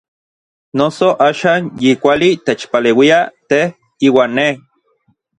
Noso axan yi kuali techpaleuia tej iuan nej.